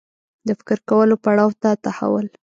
د فکر کولو پړاو ته تحول